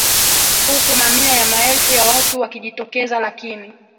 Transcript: Huku mamia ya maelfu ya watu wakijitokeza lakini